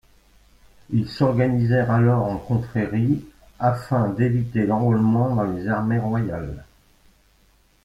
Ils s'organisèrent alors en confrérie afin d'éviter l'enrôlement dans les armées royales.